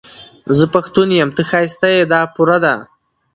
زه پښتون يم، ته ښايسته يې، دا پوره ده